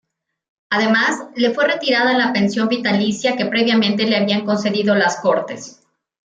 Además, le fue retirada la pensión vitalicia que previamente le habían concedido las Cortes.